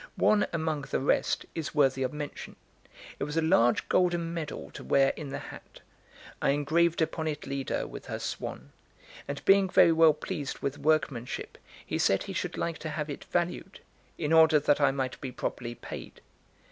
One, among the rest, is worthy of mention. It was a large golden medal to wear in the hat. I engraved upon it Leda with her swan; and being very well pleased with the workmanship, he said he should like to have it valued, in order that I might be properly paid.